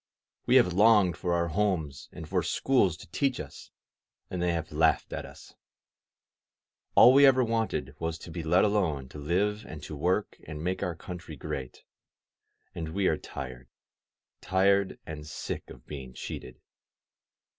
We have longed for our homes and for schools to teach us, and they have laughed at us. All we have ever wanted was to be let alone to live and to work and make our country great, and we are tired — ^tired and sick of being cheated.